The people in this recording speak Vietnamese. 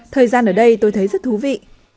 thời gian ở đây tôi thấy rất thú vị